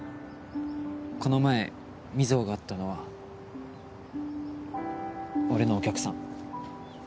この前水穂が会ったのは俺のお客さん。